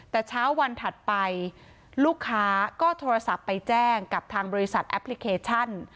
แต่เช้าวันถัดไปลูกค้าก็โทรศัพท์ไปแจ้งกับทางบริษัทแอปพลิเคชัน